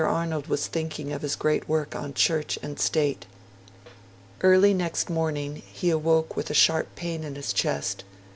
Arnold was thinking of his great work on Church and State. Early next morning he awoke with a sharp pain in his chest.